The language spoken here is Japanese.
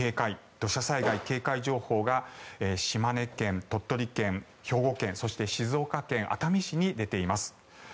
土砂災害警戒情報が島根県、鳥取県、兵庫県そして静岡県熱海市に出ています。